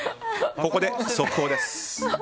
ここで速報です。